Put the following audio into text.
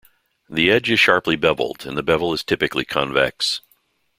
The edge is sharply beveled and the bevel is typically convex.